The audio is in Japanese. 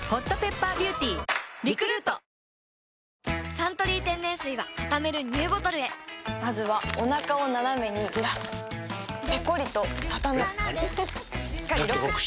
「サントリー天然水」はたためるＮＥＷボトルへまずはおなかをナナメにずらすペコリ！とたたむしっかりロック！